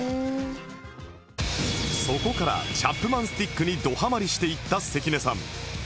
そこからチャップマン・スティックにどハマりしていった関根さん